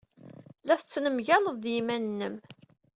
La tettnemgaled ed yiman-nnem.